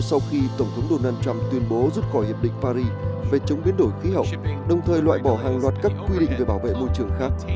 sau khi tổng thống donald trump tuyên bố rút khỏi hiệp định paris về chống biến đổi khí hậu đồng thời loại bỏ hàng loạt các quy định về bảo vệ môi trường khác